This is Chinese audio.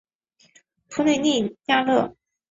普吕尼亚讷。